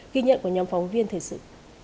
ghi nhận của nhóm phóng viên thể sự